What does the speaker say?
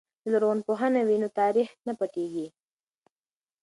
که لرغونپوهنه وي نو تاریخ نه پټیږي.